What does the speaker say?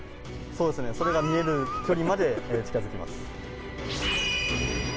そうですね、それが見える距離まで近づきます。